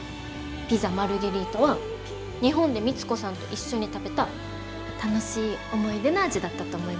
ピザ・マルゲリータは日本で光子さんと一緒に食べた楽しい思い出の味だったと思いますよ。